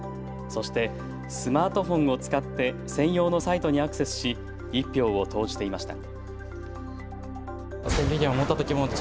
そしてスマートフォンを使って専用のサイトにアクセスし１票を投じていました。